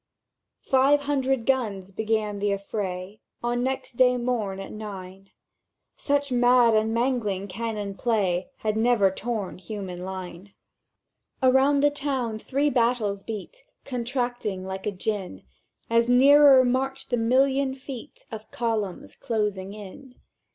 "—Five hundred guns began the affray On next day morn at nine; Such mad and mangling cannon play Had never torn human line. "Around the town three battles beat, Contracting like a gin; As nearer marched the million feet Of columns closing in.